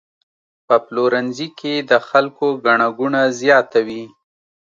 په پلورنځي کې د خلکو ګڼه ګوڼه زیاته وي.